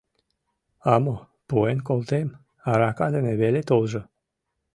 — А мо, пуэн колтем, арака дене веле толжо!